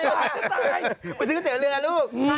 มาซึกโอ้เกี่ยวเลยนะลูก